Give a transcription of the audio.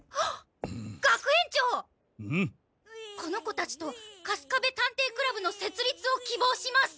この子たちとカスカベ探偵倶楽部の設立を希望します！